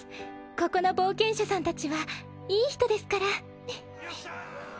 ここの冒険者さん達はいい人ですからよっしゃ！